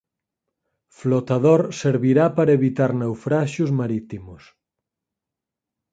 flotador servirá para evitar naufraxios marítimos